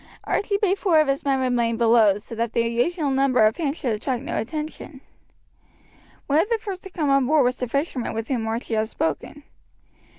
Archie bade four of his men remain below, so that the unusual number of hands should attract no attention. One of the first to come on board was the fisherman with whom Archie had spoken.